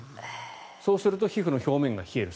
そうすると皮膚の表面が冷える。